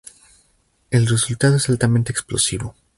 El resultado es altamente explosivo.